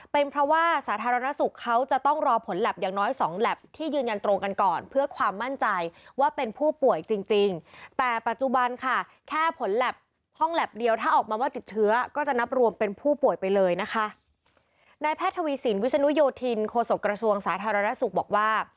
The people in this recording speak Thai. เป็นเพราะว่าสาธารณสุขเขาจะต้องรอผลแลปอย่างน้อยสองแลปที่ยืนยันตรงกันก่อนเพื่อความมั่นใจว่าเป็นผู้ป่วยจริงแต่ปัจจุบันค่ะแค่ผลแลปห้องแลปเดียวถ้าออกมาว่าติดเชื้อก็จะนับรวมเป็นผู้ป่วยไปเลยนะคะ